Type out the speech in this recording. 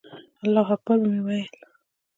الله اکبر به مې وویل.